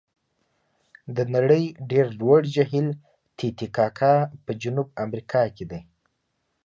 د نړۍ ډېر لوړ جهیل تي تي کاکا په جنوب امریکا کې دی.